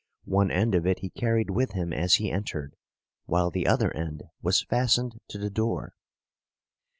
One end of it he carried with him as he entered, while the other end was fastened to the door.